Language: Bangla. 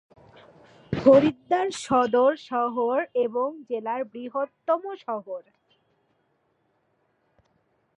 হরিদ্বার সদর শহর এবং জেলার বৃহত্তম শহর।